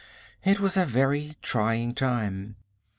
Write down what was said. It was a very trying time.